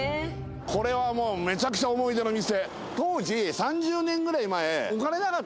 これはもうめちゃくちゃ思い出の店。